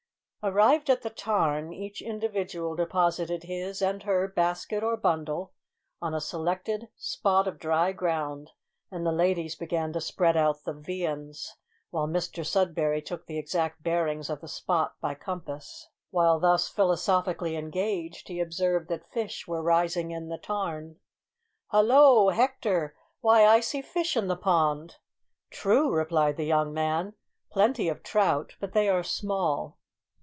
Arrived at the tarn, each individual deposited his and her basket or bundle on a selected spot of dry ground, and the ladies began to spread out the viands, while Mr Sudberry took the exact bearings of the spot by compass. While thus philosophically engaged, he observed that fish were rising in the tarn. "Hallo! Hector; why, I see fish in the pond." "True," replied the young man, "plenty of trout; but they are small."